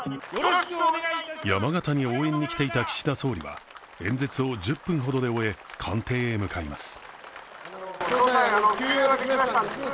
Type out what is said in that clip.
山形に応援に来ていた岸田総理は、演説を１０分ほどで終え、官邸へ向かいます。